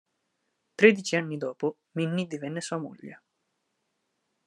Tredici anni dopo Minnie divenne sua moglie.